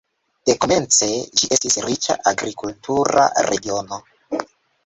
Dekomence ĝi estis riĉa agrikultura regiono.